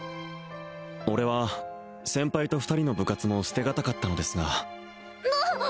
俺は先輩と２人の部活も捨てがたかったのですがなっ！？